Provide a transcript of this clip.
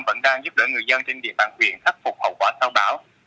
vẫn đang giúp đỡ người dân trên địa bàn huyện khắc phục hậu quả sau bão